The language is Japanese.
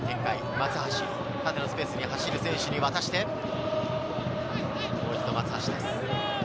松橋、縦のスペースに走る選手に渡して、もう一度、松橋です。